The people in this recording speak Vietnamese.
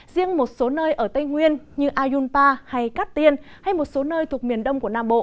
riêng một số nơi ở tây nguyên như ayunpa hay cát tiên hay một số nơi thuộc miền đông của nam bộ